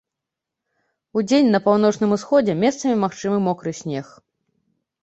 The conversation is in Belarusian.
Удзень на паўночным усходзе месцамі магчымы мокры снег.